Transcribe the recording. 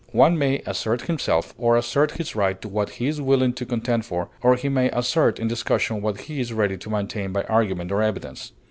One may assert himself, or assert his right to what he is willing to contend for; or he may assert in discussion what he is ready to maintain by argument or evidence.